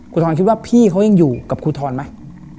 ทรคิดว่าพี่เขายังอยู่กับครูทรไหม